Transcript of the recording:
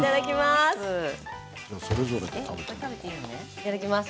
いただきます。